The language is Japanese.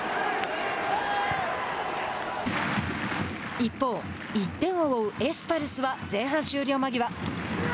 一方１点を追うエスパルスは前半終了間際。